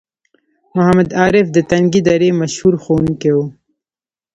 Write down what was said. محمد عارف د تنگي درې مشهور ښوونکی وو